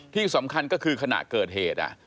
ที่สำคัญก็คือขณะเกิดเหตุ